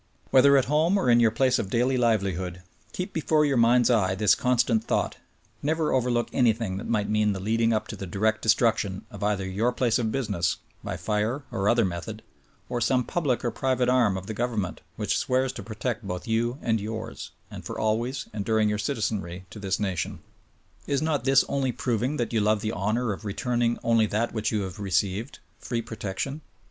Whether at home or in your place of daily livelihood, keep before your mind's eye this constant thought: Never overlook anything that might mean the leading up to the direct destruction of either your place of business— by fire or otlier method — or some public or private arm of the government which swears to protect both you and yours, and for always and during your citizenry to this nation. Is not this only proving that you love the honor of returning only that which you have received — free protection?